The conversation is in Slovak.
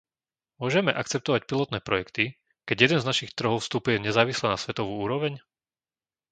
Môžeme akceptovať pilotné projekty, keď jeden z našich trhov vstupuje nezávisle na svetovú úroveň?